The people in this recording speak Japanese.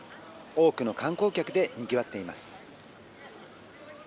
多くの観光客でにぎわっています。